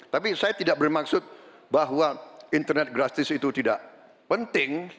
tapi saya tidak bermaksud bahwa internet gratis itu tidak penting